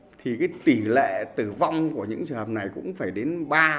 đối với trẻ non tháng thì tỷ lệ tử vong của những trường hợp này cũng phải đến ba mươi bốn mươi